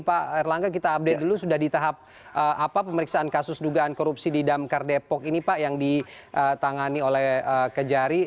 pak erlangga kita update dulu sudah di tahap apa pemeriksaan kasus dugaan korupsi di damkar depok ini pak yang ditangani oleh kejari